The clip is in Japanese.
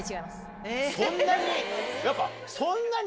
そんなに？